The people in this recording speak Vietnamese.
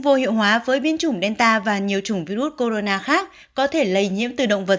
vô hiệu hóa với biến chủng delta và nhiều chủng virus corona khác có thể lây nhiễm từ động vật